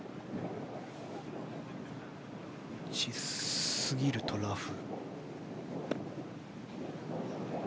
打ちすぎるとラフ。